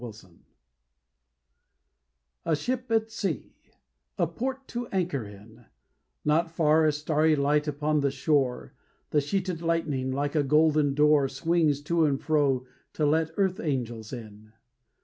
THE BRIDE A ship at sea; a port to anchor in; Not far a starry light upon the shore. The sheeted lightning, like a golden door, Swings to and fro to let earth angels in.